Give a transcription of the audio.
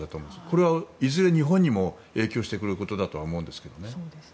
これはいずれ日本にも影響してくることだとは思うんですけどね。